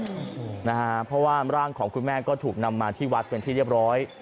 เพราะว่าร่างของคุณแม่ก็ถูกนำมาที่วัดเป็นที่เรียบร้อย